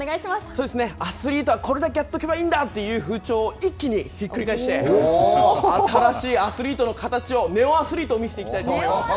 そうですね、アスリート、これだけやっておけばいいんだという風潮を、一気にひっくり返して、新しいアスリートの形を、ネオアスリートを見せていきたいと思います。